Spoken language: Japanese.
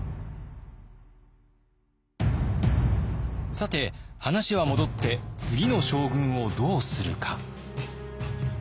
さて話は戻って次の将軍をどうするか。